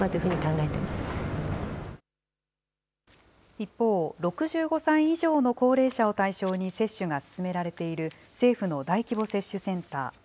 一方、６５歳以上の高齢者を対象に接種が進められている、政府の大規模接種センター。